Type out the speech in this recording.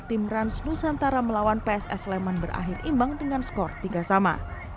tim rans nusantara melawan pss leman berakhir imbang dengan skor tiga sama